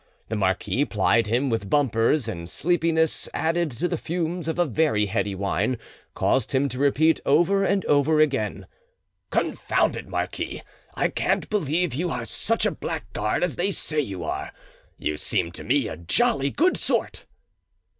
The marquis plied him with bumpers, and sleepiness, added to the fumes of a very heady wine, caused him to repeat over and over again— "Confound it all, marquis, I can't believe you are such a blackguard as they say you are; you seem to me a jolly good sort."